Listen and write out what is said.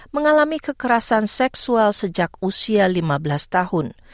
mengalami kekerasan seksual sejak usia lima belas tahun